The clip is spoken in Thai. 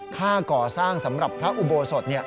ค่าก่อสร้างสำหรับพระอุโบสถ